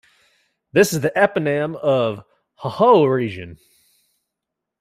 This is the eponym of the Hhohho region.